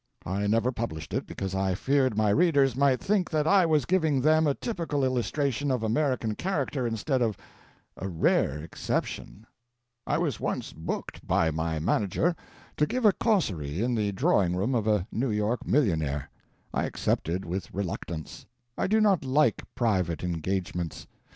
I never published it because I feared my readers might think that I was giving them a typical illustration of American character instead of a rare exception. I was once booked by my manager to give a causerie in the drawing room of a New York millionaire. I accepted with reluctance. I do not like private engagements.